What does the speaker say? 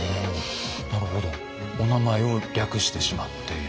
なるほどお名前を略してしまっている。